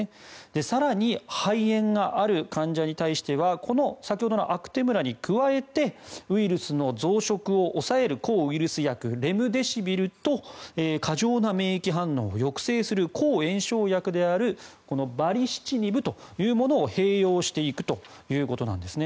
更に、肺炎がある患者に対しては先ほどのアクテムラに加えてウイルスの増殖を抑える抗ウイルス薬レムデシビルと過剰な免疫反応を抑制する抗炎症薬であるバリシチニブというものを併用していくということなんですね。